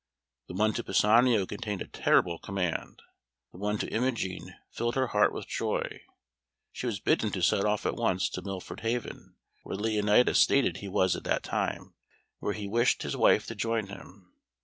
The one to Pisanio contained a terrible command. The one to Imogen filled her heart with joy. She was bidden to set off at once to Milford Haven, where Leonatus stated he was at that time, and where he wished his wife to join him.